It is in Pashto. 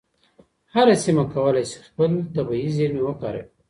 هره سیمه کولای سي خپل طبیعي زیرمې وکاروي.